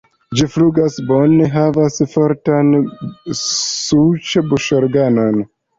Ĝi flugas bone, havas fortan suĉ-buŝorganon.